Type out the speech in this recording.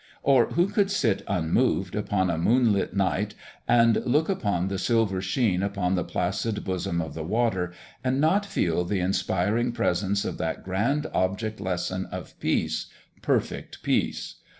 Or who could sit unmoved, upon a moonlight night, and look upon the silver sheen upon the placid bosom of the water, and not feel the inspiring presence of that grand object lesson of "Peace! Perfect Peace!"?